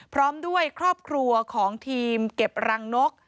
พร้อมด้วยครอบครัวของทีมเก็บรังนก